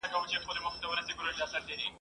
ډنبار، پر دې برسېره !.